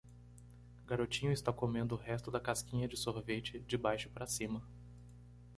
Garotinho está comendo o resto da casquinha de sorvete de baixo para cima.